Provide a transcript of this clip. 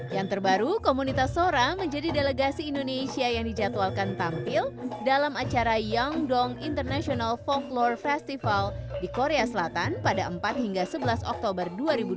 yang terbaru komunitas sora menjadi delegasi indonesia yang dijadwalkan tampil dalam acara young dong international folklore festival di korea selatan pada empat hingga sebelas oktober dua ribu dua puluh